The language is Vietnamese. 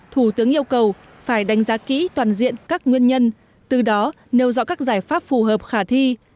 thủ tướng yêu cầu phải đánh giá kỹ toàn diện các nguyên nhân từ đó nêu rõ các giải pháp phù hợp khả thi